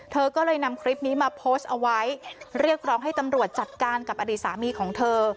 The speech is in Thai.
เธอก็เลยนำคลิปนี้มาโพสต์เอาไว้เรียกร้องให้ตำรวจจัดการกับอดีตสามีของเธอ